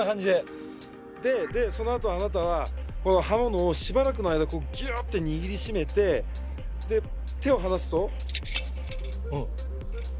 でそのあとあなたはこの刃物をしばらくの間ギュッて握りしめてで手を離すと。